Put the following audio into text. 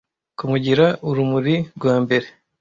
kumugira urumuri rwambere